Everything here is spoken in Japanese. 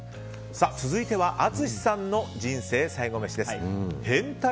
続いては淳さんの人生最後メシです。